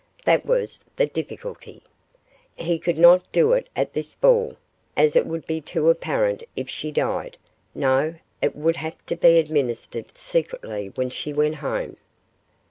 that was the difficulty. He could not do it at this ball, as it would be too apparent if she died no it would have to be administered secretly when she went home.